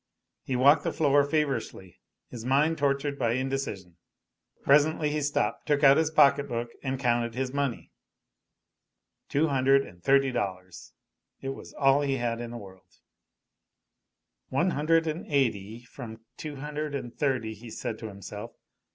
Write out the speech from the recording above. He walked the floor feverishly, his mind tortured by indecision. Presently he stopped, took out his pocket book and counted his money. Two hundred and thirty dollars it was all he had in the world. "One hundred and eighty ....... from two hundred and thirty," he said to himself.